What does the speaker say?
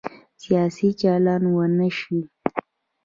سیاسي چلند ونه شي.